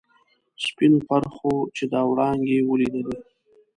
سپینو پرخو چې دا وړانګې ولیدلي.